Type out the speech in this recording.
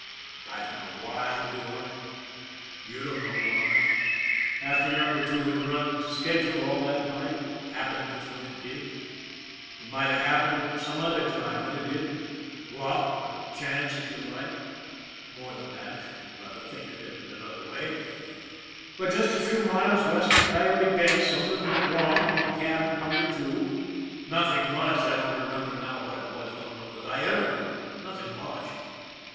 I don't know why, do I? You don't know why, after Number Two had run to schedule all that night, it happened just when it did. It might have happened at some other time but it didn't. Luck or chance if you like, more than that if you'd rather think of it in another way, but just a few miles west of Coyote Bend something went wrong in the cab of Number Two. Nothing much, I don't remember now what it was, don't know that I ever knew, nothing much.